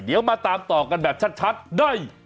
เดี๋ยวมาตามต่อกันแบบชัดได้